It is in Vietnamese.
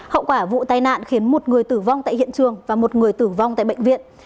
hậu quả vụ tai nạn khiến một người tử vong tại hiện trường và một người tử vong tại bệnh viện